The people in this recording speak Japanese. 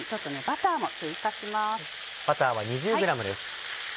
バターは２０ｇです。